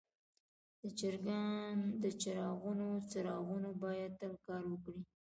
د چراغونو څراغونه باید تل کار وکړي.